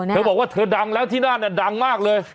เธอบอกว่าเธอดังแล้วที่นั่นดังมากเลย